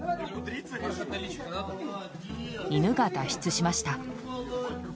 犬が脱出しました。